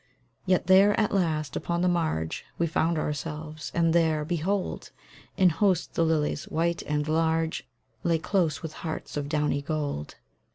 Yet there, at last, upon the marge We found ourselves, and there, behold, In hosts the lilies, white and large, Lay close, with hearts of downy gold!